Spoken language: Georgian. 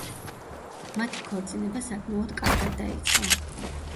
მათი ქორწინება საკმაოდ კარგად დაიწყო.